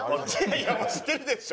いやもう知ってるでしょ。